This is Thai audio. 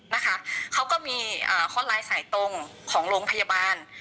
นะคะเขาก็มีข้อไลน์สายตรงของโรงพยาบาล